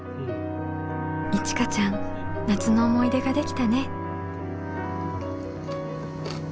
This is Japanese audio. いちかちゃん夏の思い出ができたね。